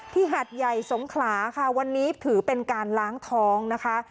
หัดใหญ่สงขลาค่ะวันนี้ถือเป็นการล้างท้องนะคะ